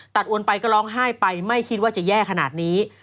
อวนไปก็ร้องไห้ไปไม่คิดว่าจะแย่ขนาดนี้